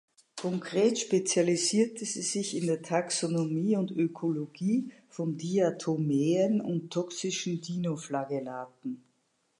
Konkret spezialisierte sie sich in der Taxonomie und Ökologie von Diatomeen und toxischen Dinoflagellaten.